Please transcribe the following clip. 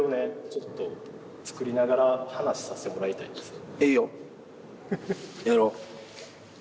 ちょっと作りながら話させてもらいたいんです。